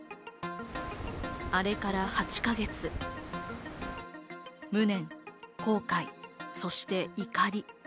あれから８か月、無念、後悔、そして怒り。